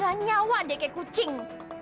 gak nyawa deh kek kucing